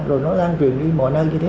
rồi nó lan truyền đi mọi nơi như thế